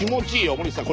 森田さん